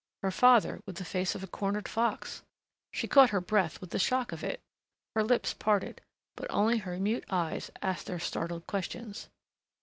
Her father, with the face of a cornered fox!... She caught her breath with the shock of it. Her lips parted, but only her mute eyes asked their startled questions.